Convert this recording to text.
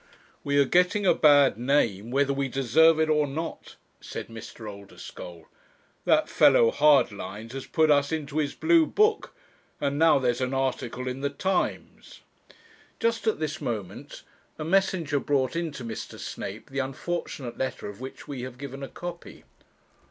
'We are getting a bad name, whether we deserve it or not,' said Mr. Oldeschole. 'That fellow Hardlines has put us into his blue book, and now there's an article in the Times!' Just at this moment, a messenger brought in to Mr. Snape the unfortunate letter of which we have given a copy.